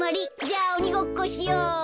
じゃあおにごっこしよう。